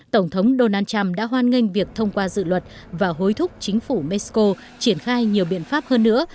tổng thống donald trump đã hoan nghênh việc thông qua dự luật và hối thúc chính phủ mexico triển khai nhiều biện pháp hơn nữa